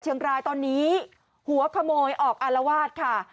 เชียงรายตอนนี้หัวขโมยออกอารวาสค่ะ